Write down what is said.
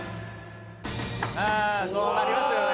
ああそうなりますよね。